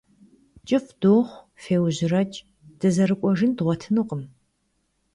КӀыфӀ дохъу, феужьрэкӏ, дызэрыкӏуэжын дгъуэтынукъым.